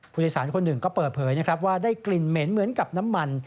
ผู้โดยสารคนหนึ่งก็เปิดเผยนะครับว่าได้กลิ่นเหม็นเหมือนกับน้ำมัน